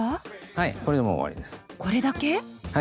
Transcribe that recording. はい。